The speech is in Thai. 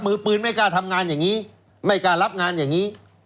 มือปืนไม่กล้าทำงานอย่างนี้ไม่กล้ารับงานอย่างนี้